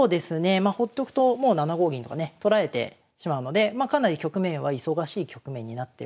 まあほっとくともう７五銀とかね取られてしまうのでかなり局面は忙しい局面になってますかね。